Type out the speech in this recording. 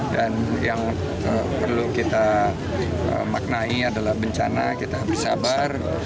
dan yang perlu kita maknai adalah bencana kita bersabar